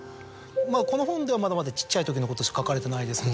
この本ではまだまだちっちゃい時のことしか書かれてないですけど。